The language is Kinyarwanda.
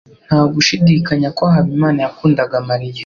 Nta gushidikanya ko Habimana yakundaga Mariya.